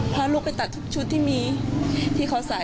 พาลูกไปตัดทุกชุดที่มีที่เขาใส่